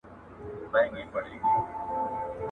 لوستې نجونې د ټولنې ګډې ستونزې کموي.